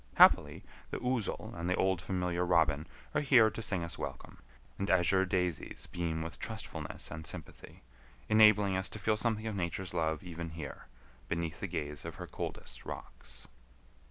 Happily the ouzel and the old familiar robin are here to sing us welcome, and azure daisies beam with trustfulness and sympathy, enabling us to feel something of Nature's love even here, beneath the gaze of her coldest rocks.